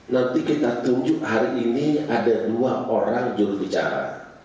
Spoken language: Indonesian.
nanti kita tunjuk hari ini ada dua orang jurubicara